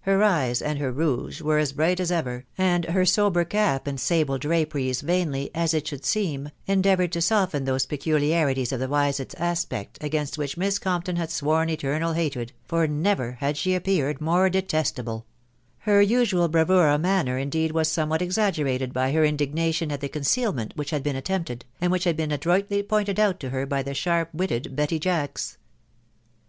Her eyes and her rouge were as bright as ever, and her sober cap and sable draperies vainly, as it should seem, endeavoured to soften those peculiarities of the Wisett aspect against which Miss Compton had sworn eternal hatred, for never had she appeared more detestable ; her usual bra vura manner indeed was somewhat exaggerated by her indigo nation at the concealment which had been attempted, and which had been adroitly pointed out to her by the sharp witted Betty Jacks.